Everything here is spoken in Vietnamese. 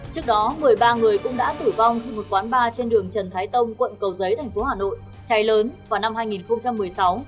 trước đó một mươi ba người cũng đã tử vong khi một quán bar trên đường trần thái tông quận cầu giấy thành phố hà nội cháy lớn vào năm hai nghìn một mươi sáu